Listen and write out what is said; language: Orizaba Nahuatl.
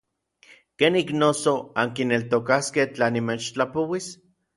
¿Kenik noso ankineltokaskej tla nimechtlapouis?